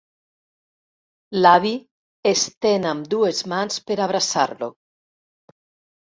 L'avi estén ambdues mans per abraçar-lo.